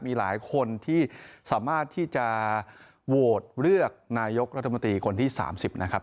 มีหลายคนที่สามารถที่จะโหวตเลือกนายกรัฐมนตรีคนที่๓๐นะครับ